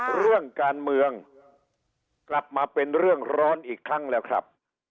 เรื่องการเมืองกลับมาเป็นเรื่องร้อนอีกครั้งแล้วครับ